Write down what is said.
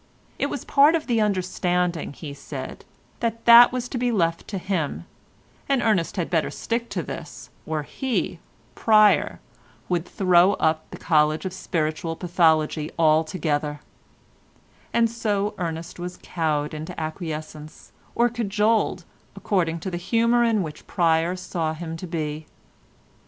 It was part of the understanding, he said, that that was to be left to him, and Ernest had better stick to this, or he, Pryer, would throw up the College of Spiritual Pathology altogether; and so Ernest was cowed into acquiescence, or cajoled, according to the humour in which Pryer saw him to be.